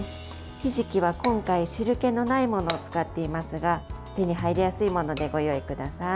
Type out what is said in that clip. ひじきは今回汁けのないものを使っていますが手に入りやすいものでご用意ください。